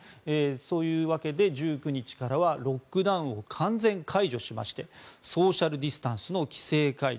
そういうわけで、１９日からはロックダウンを完全解除しましてソーシャル・ディスタンスの規制解除